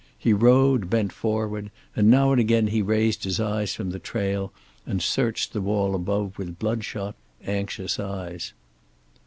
He rode bent forward, and now and again he raised his eyes from the trail and searched the wall above with bloodshot, anxious eyes.